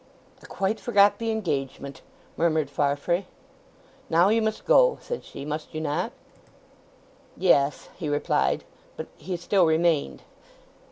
"I quite forgot the engagement," murmured Farfrae. "Now you must go," said she; "must you not?" "Yes," he replied. But he still remained.